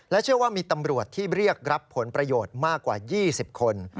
เชื่อว่ามีตำรวจที่เรียกรับผลประโยชน์มากกว่า๒๐คน